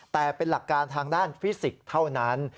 แต่เป็นหลักการทางด้านฟิสิกส์เท่านั้น